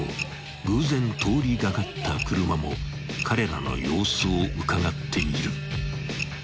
［偶然通り掛かった車も彼らの様子をうかがっている］